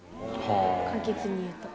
簡潔に言うと。